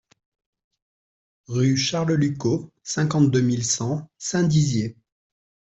Rue Charles Lucot, cinquante-deux mille cent Saint-Dizier